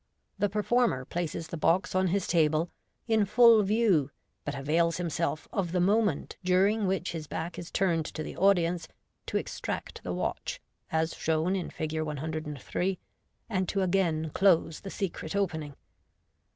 The per former places the box on his table, in full view, but avails him self of the moment during which his back is turned to the audi ence to extract the watch, as shown in Fig. 103, and to again close the secret open ing.